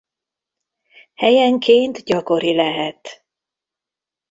Helyenként gyakori lehet.